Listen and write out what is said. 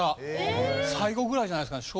最後ぐらいじゃないですかね？